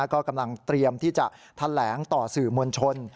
ก็กำลังเตรียมที่จะแถลงต่อสื่อมวลชน